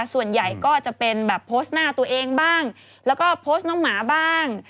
ส่วนใหญ่ก็จะเป็นแบบโพสต์หน้าตัวเองบ้างแล้วก็โพสต์น้องหมาบ้าง